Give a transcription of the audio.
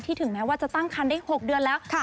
ถึงแม้ว่าจะตั้งคันได้๖เดือนแล้ว